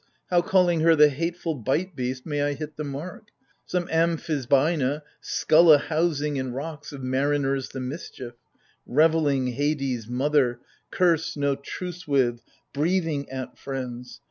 .. how calling her the hateful bite beast May I hit the mark ? Some amphisbaina — Skulla Housing in rocks, of mariners the mischief, Revelling Hades' mother, — curse, no truce with, Breathing at friends